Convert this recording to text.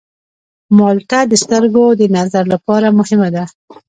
مالټه د سترګو د نظر لپاره مهمه ده.